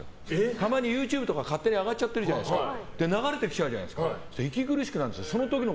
たまにＹｏｕＴｕｂｅとかに勝手に上がっちゃってるじゃないですか。